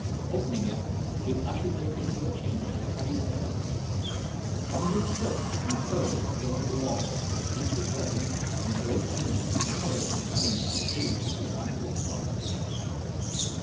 Opening it he ushered them into a chamber, heavy with dust. Crumbling silks and furs adorned the walls, with ancient weapons, and great paintings whose colors were toned by age to wondrous softness.